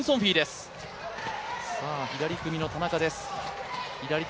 左組みの田中です。